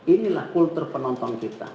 inilah kultur penonton kita